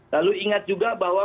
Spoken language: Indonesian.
lalu ingat juga bahwa